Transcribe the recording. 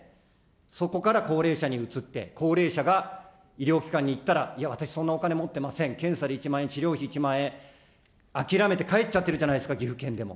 そこから高齢者にうつって、高齢者が医療機関に行ったら、いや、私、そんなお金持ってません、検査で１万円、治療費１万円、諦めて帰っちゃってるじゃないですか、岐阜県でも。